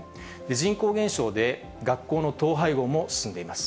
人口減少で、学校の統廃合も進んでいます。